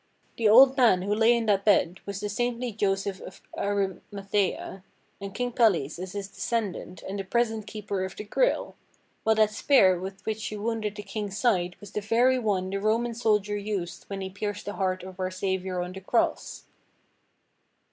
"The old man who lay in that bed was the saintly Joseph of Ari mathaea, and King Pelles is his descendant and the ])resent keeper of the Grail; while that spear with which you wounded the King's side was the very one the Roman soldier used when he pierced the heart of our Saviour on the cross."